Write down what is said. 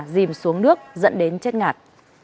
dìm xuống nước dẫn đến chết ngạt